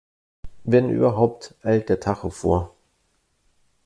Wenn überhaupt, eilt der Tacho vor.